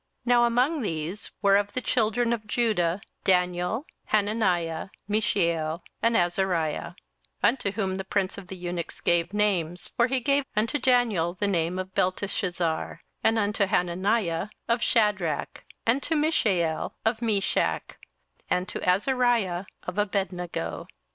27:001:006 Now among these were of the children of Judah, Daniel, Hananiah, Mishael, and Azariah: 27:001:007 Unto whom the prince of the eunuchs gave names: for he gave unto Daniel the name of Belteshazzar; and to Hananiah, of Shadrach; and to Mishael, of Meshach; and to Azariah, of Abednego.